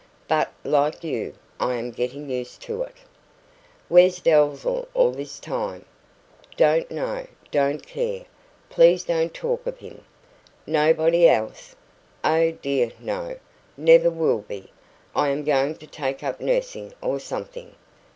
"But, like you, I am getting used to it." "Where's Dalzell all this time?" "Don't know. Don't care. Please don't talk of him." "Nobody else ?" "Oh, dear, no! Never will be. I am going to take up nursing or something."